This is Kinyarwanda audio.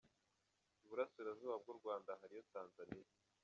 Iburasirazuba bw’u Rwanda hariyo tanzaniya.